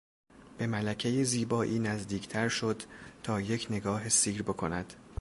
به ملکهی زیبایی نزدیکتر شد تا یک نگاه سیر بکند.